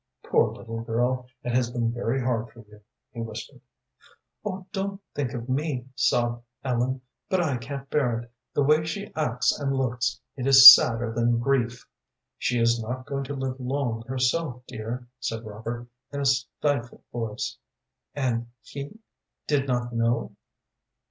"Poor little girl, it has been very hard for you," he whispered. "Oh, don't think of me," sobbed Ellen. "But I can't bear it, the way she acts and looks. It is sadder than grief." "She is not going to live long herself, dear," said Robert, in a stifled voice. "And he did not know?"